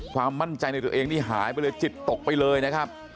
ความมั่นใจในตัวเองนี่หายไปเลยจิตตกไปเลยนะครับ